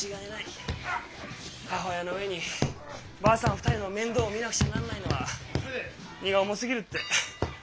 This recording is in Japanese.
母親の上にばあさん２人の面倒見なくちゃなんないのは荷が重すぎる」って。